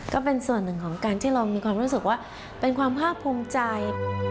ก็เป็นส่วนหนึ่งของการที่เรามีความรู้สึกว่าเป็นความภาคภูมิใจ